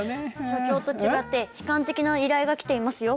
所長と違って悲観的な依頼が来ていますよ。